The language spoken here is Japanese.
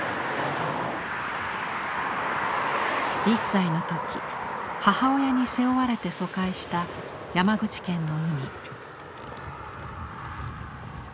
１歳の時母親に背負われて疎開した山口県の海。